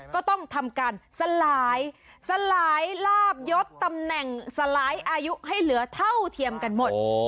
ก็ต้องทำการสลายสลายลาบยดตำแหน่งสลายอายุให้เหลือเท่าเทียมกันหมด